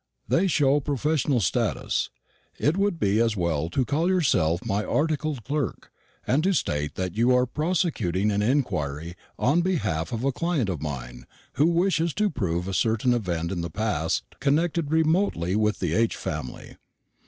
They show professional status. It would be as well to call yourself my articled clerk, and to state that you are prosecuting an inquiry on the behalf of a client of mine, who wishes to prove a certain event in the past connected remotely with the H. family.